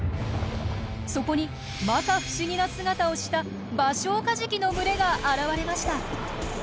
そこにまか不思議な姿をしたバショウカジキの群れが現れました。